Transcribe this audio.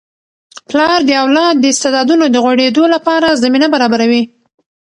پلار د اولاد د استعدادونو د غوړیدو لپاره زمینه برابروي.